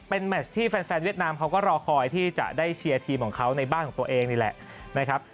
เป็นแมชที่แฟนเวียดนามเขาก็รอคอยที่จะได้เชียร์ทีมของเขาในบ้านของตัวเองนี่แหละนะครับ